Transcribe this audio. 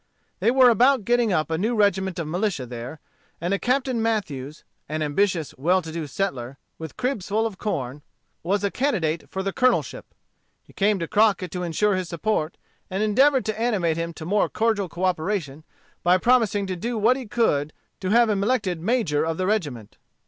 They were about getting up a new regiment of militia there, and a Captain Mathews, an ambitious, well to do settler, with cribs full of corn, was a candidate for the colonelship. He came to Crockett to insure his support, and endeavored to animate him to more cordial cooperation by promising to do what he could to have him elected major of the regiment.